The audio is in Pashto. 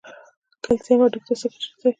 کلسیم هډوکو ته څه ګټه رسوي؟